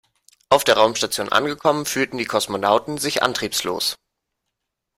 Auf der Raumstation angekommen fühlten die Kosmonauten sich antriebslos.